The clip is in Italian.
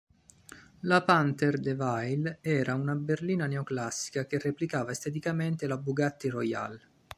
La Panther De Ville era una berlina neoclassica che replicava esteticamente la Bugatti Royale.